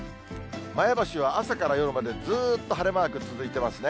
前橋は朝から夜まで、ずっと晴れマーク続いてますね。